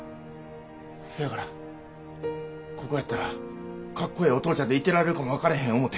せやからここやったらかっこええお父ちゃんでいてられるかも分かれへん思て。